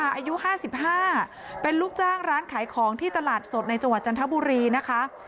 อายุ๕๕เป็นลูกจ้างร้านขายของที่ตลาดสดในจังหวัดจันทบุรีนะคะ